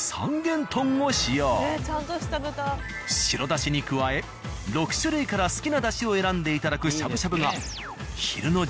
白だしに加え６種類から好きなだしを選んでいただくしゃぶしゃぶが。